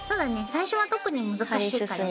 最初は特に難しいからね。